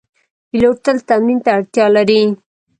پیلوټ تل تمرین ته اړتیا لري.